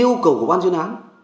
yêu cầu của ban chuyên án